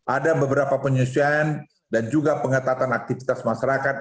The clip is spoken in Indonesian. ada beberapa penyusian dan juga pengatatan aktivitas masyarakat